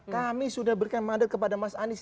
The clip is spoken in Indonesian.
kami sudah berikan mandat kepada mas anies